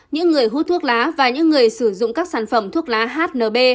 những người hút thuốc lá và những người sử dụng các sản phẩm thuốc lá hnb